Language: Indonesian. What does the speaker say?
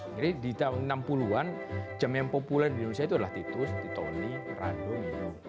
di tahun enam puluh an jam yang populer di indonesia itu adalah titus titoni random